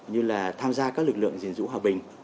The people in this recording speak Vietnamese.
như là tham gia các lực lượng diện dụ hòa bình